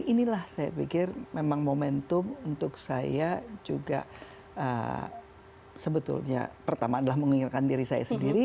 inilah saya pikir memang momentum untuk saya juga sebetulnya pertama adalah mengingatkan diri saya sendiri